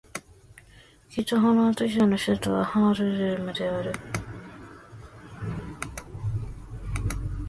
北ホラント州の州都はハールレムである